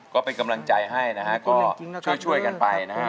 ก็เป็นกำลังใจให้นะฮะก็ช่วยกันไปนะฮะ